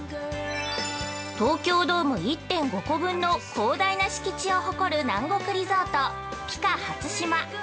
◆東京ドーム１．５個分の広大な敷地を誇る南国リゾートＰＩＣＡ初島。